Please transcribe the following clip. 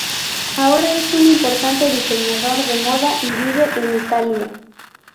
Ahora es un importante diseñador de moda y vive en Italia.